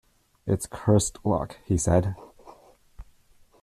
"It's cursed luck," he said.